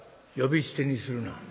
「呼び捨てにするな。